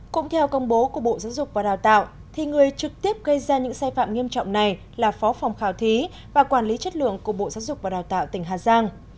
cũng theo công bố của bộ giáo dục và đào tạo thì người trực tiếp gây ra những sai phạm nghiêm trọng này là phó phòng khảo thí và quản lý chất lượng của bộ giáo dục và đào tạo tỉnh hà giang